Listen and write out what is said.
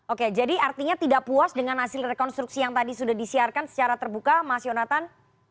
oke jadi artinya tidak puas dengan hasil rekonstruksi yang tadi sudah disiarkan secara terbuka mas yonatan